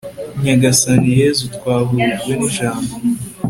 nyagasani yezu, twahujwe n'ijambo